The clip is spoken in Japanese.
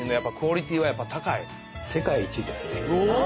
お！